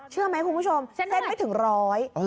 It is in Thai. เชื่อไหมคุณผู้ชมเส้นไม่ถึงร้อย